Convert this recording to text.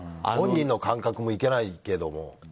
本人の感覚もいけないけども。